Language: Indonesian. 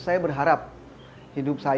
saya berharap hidup saya